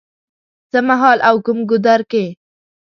څه مهال او کوم ګودر کې